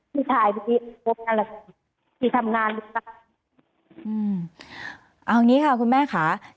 ที่ทำงานด้วยป่ะอืมเอาอย่างนี้ค่ะคุณแม่ค่ะ